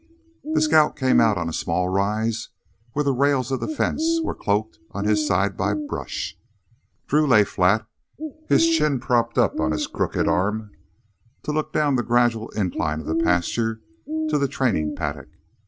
The scout came out on a small rise where the rails of the fence were cloaked on his side by brush. Drew lay flat, his chin propped upon his crooked arm to look down the gradual incline of the pasture to the training paddock.